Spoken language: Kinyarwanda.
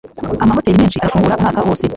Amahoteri menshi arafungura umwaka wose.